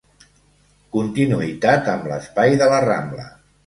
Continuïtat amb l'espai de La Rambla.